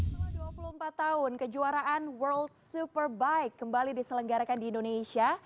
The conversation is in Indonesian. setelah dua puluh empat tahun kejuaraan world superbike kembali diselenggarakan di indonesia